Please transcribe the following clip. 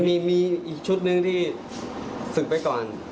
วันนี้มีอีกชุดหนึ่งที่สึกไปก่อน